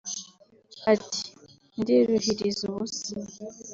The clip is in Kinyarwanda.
Iti “Ndiruhiriza ubusa